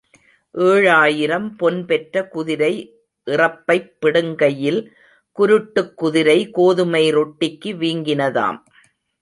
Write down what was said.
ஏழாயிரம் பொன் பெற்ற குதிரை இறப்பைப் பிடுங்கையில், குருட்டுக் குதிரை கோதுமை ரொட்டிக்கு வீங்கினதாம்.